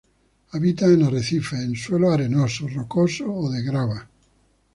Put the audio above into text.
Habitan en arrecifes, en suelos arenosos, rocosos o de grava.